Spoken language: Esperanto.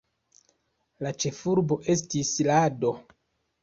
La ĉefurbo estis Lado.